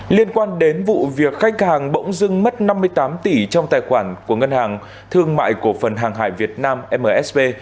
liên quan đến vụ việc khách hàng bỗng dưng mất năm mươi tám tỷ trong tài khoản của ngân hàng thương mại cổ phần hàng hải việt nam msb